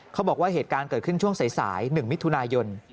เขาบอกว่าเหตุการณ์เกิดขึ้นช่วงสาย๑มิถุนายน